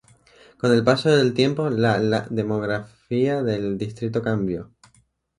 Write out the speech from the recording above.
Con el paso del tiempo, la la demografía del distrito cambió.